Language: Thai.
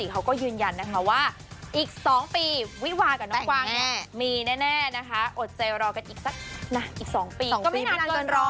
แล้วก็ยืนยันว่าอีกสองปีวิวากับน้องควะแม่มีแน่นะคะอดเจลรอกันอีกสักนะอีกสองปีก็ไม่นานก็นรอ